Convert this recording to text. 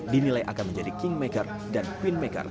dinilai akan menjadi kingmaker dan queenmaker